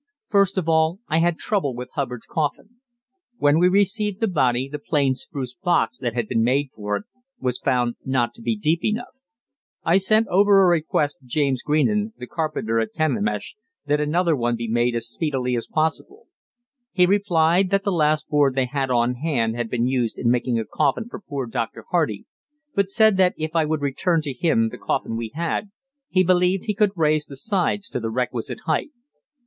First of all, I had trouble with Hubbard's coffin. When we received the body, the plain spruce box that had been made for it was found not to be deep enough. I sent over a request to James Greenan, the carpenter at Kenemish, that another one be made as speedily as possible. He replied that the last board they had on hand had been used in making a coffin for poor Dr. Hardy, but said that if I would return to him the coffin we had, he believed he could raise the sides to the requisite height.